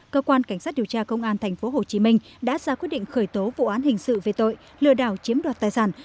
cơ quan cảnh sát điều tra bộ công an thành phố hồ chí minh đã ra quyết định khởi tố vụ án hình sự về tội lừa đảo chiếm đoạt tài sản